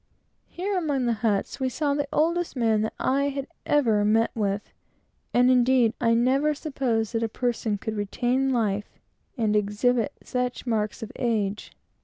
Here, among the huts, we saw the oldest man that I had ever seen; and, indeed, I never supposed that a person could retain life and exhibit such marks of age.